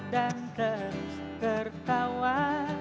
dan terus tertawa